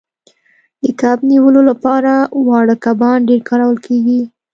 د کب نیولو لپاره واړه کبان ډیر کارول کیږي